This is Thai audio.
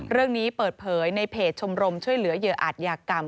เรื่องนี้เปิดเผยในเพจชมรมช่วยเหลือเหยื่ออาจยากรรม